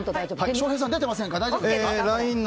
翔平さん、出てませんか？